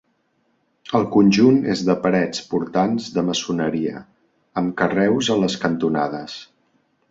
El conjunt és de parets portants de maçoneria, amb carreus a les cantonades.